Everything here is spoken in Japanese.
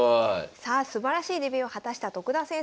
さあすばらしいデビューを果たした徳田先生。